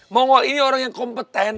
monggol ini orang yang kompeten